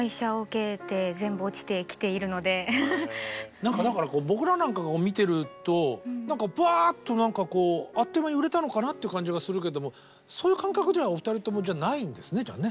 何かだから僕らなんかが見てるとぱっと何かこうあっという間に売れたのかなっていう感じがするけどそういう感覚ではお二人ともないんですねじゃあね。